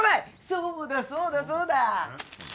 そうだそうだそうだ！